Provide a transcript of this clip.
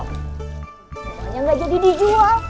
sebenernya gak jadi dijual